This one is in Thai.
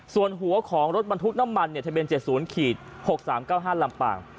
ส่วนหัวของรถบรรทุกน้ำมันทะเบียน๗๐๖๓๙๕ลำปาง